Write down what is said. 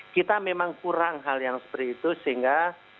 kita memang kurang hal yang seperti itu sehingga